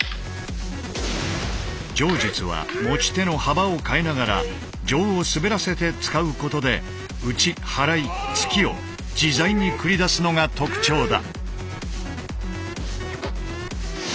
杖術は持ち手の幅を変えながら杖を滑らせて使うことで打ち払い突きを自在に繰り出すのが特徴だ。